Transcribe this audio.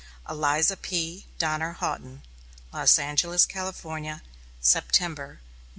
ELIZA P. DONNER HOUGHTON. Los Angeles, California, September, 1911.